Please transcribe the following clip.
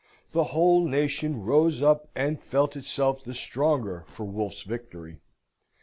The whole nation rose up and felt itself the stronger for Wolfe's victory.